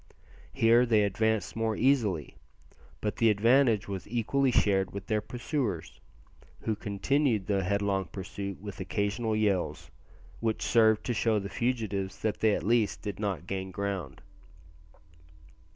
Here they advanced more easily; but the advantage was equally shared with their pursuers, who continued the headlong pursuit with occasional yells, which served to show the fugitives that they at least did not gain ground.